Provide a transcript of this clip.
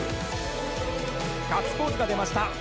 ガッツポーズが出ました